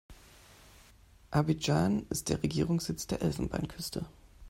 Abidjan ist der Regierungssitz der Elfenbeinküste.